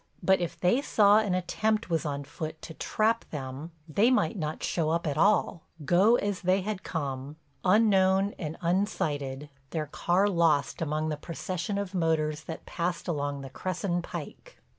But if they saw an attempt was on foot to trap them they might not show up at all—go as they had come, unknown and unsighted, their car lost among the procession of motors that passed along the Cresson Pike.